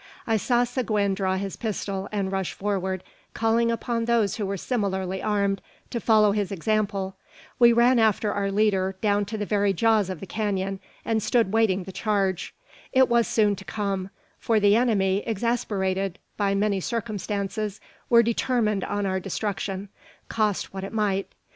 I saw Seguin draw his pistol, and rush forward, calling upon those who were similarly armed to follow his example. We ran after our leader down to the very jaws of the canon, and stood waiting the charge. It was soon to come; for the enemy, exasperated by many circumstances, were determined on our destruction, cost what it might.